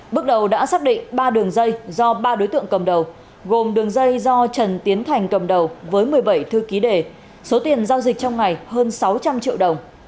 bước đầu đã xác định ba đường dây do ba đối tượng cầm đầu gồm đường dây do trần tiến thành cầm đầu với một mươi bảy thư ký đề số tiền giao dịch trong ngày hơn sáu trăm linh triệu đồng